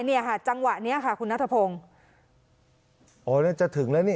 เนี่ยค่ะจังหวะเนี้ยค่ะคุณนัทพงศ์อ๋อน่าจะถึงแล้วนี่